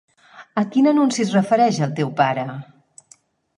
A quin anunci es refereix el el teu pare?